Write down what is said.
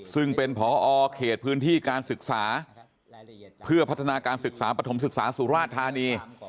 ซึ่งเป็นพอเขตพื้นที่การศึกษาเพื่อพัฒนาการศึกษาปฐมศึกษาสุราชธานี